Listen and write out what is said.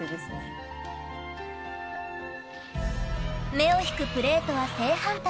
目を引くプレーとは正反対。